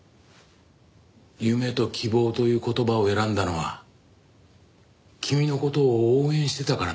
夢と希望という言葉を選んだのは君の事を応援してたからなんだよ。